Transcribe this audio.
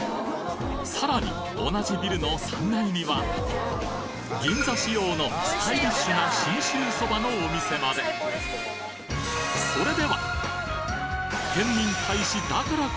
さらに同じビルの３階には銀座仕様のスタイリッシュな信州そばのお店までを決定！